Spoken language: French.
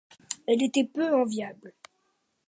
Elle était peu enviable.